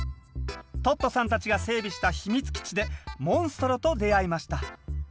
トットさんたちが整備した秘密基地でモンストロと出会いました。